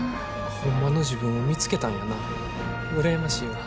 ホンマの自分を見つけたんやな羨ましいわ。